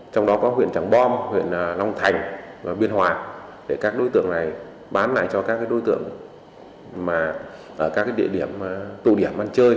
trong đó có huyện tràng bom huyện long thành và biên hòa để các đối tượng này bán lại cho các đối tượng ở các địa điểm tụ điểm ăn chơi